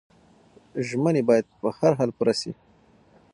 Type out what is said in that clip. ژمنې باید په هر حال پوره شي.